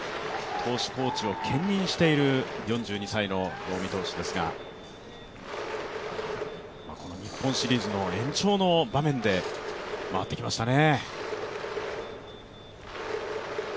投手コーチを兼任している４２歳の能見投手ですがこの日本シリーズの延長の場面で回ってきましたね。